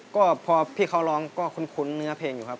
ก็พอพี่เขาร้องก็คุ้นเนื้อเพลงอยู่ครับ